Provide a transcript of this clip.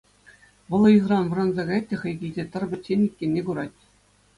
Вӑл ыйхӑран вӑранса каять те хӑй килте тӑр пӗччен иккенне курать.